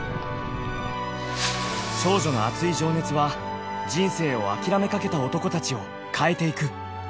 少女のアツい情熱は人生を諦めかけた男たちを変えていく！